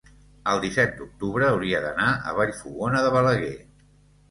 el disset d'octubre hauria d'anar a Vallfogona de Balaguer.